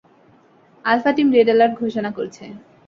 Alpha team red alert ঘোষণা করছে।